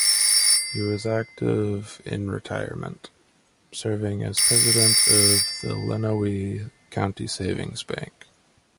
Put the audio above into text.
He was active in retirement, serving as president of the Lenawee County Savings Bank.